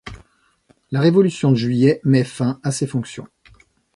La Révolution de Juillet met fin à ses fonctions.